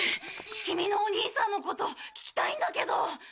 キミのお兄さんのこと聞きたいんだけど。